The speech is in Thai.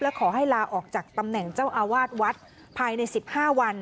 ขอให้ลาออกจากตำแหน่งเจ้าอาวาสวัดภายใน๑๕วัน